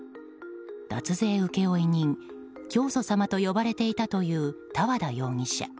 脱税請負人、教祖様と呼ばれていたという多和田容疑者。